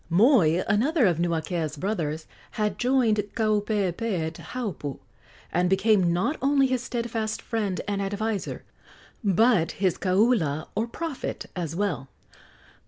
Moi, another of Nuakea's brothers, had joined Kaupeepee at Haupu, and became not only his steadfast friend and adviser, but his kaula, or prophet, as well.